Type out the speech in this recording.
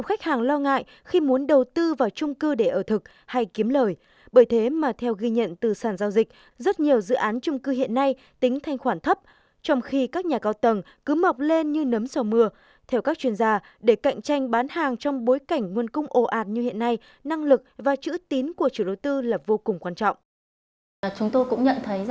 để cạnh tranh bán hàng trong bối cảnh nguồn cung ồ ạt như hiện nay năng lực và chữ tín của chủ đầu tư là vô cùng quan trọng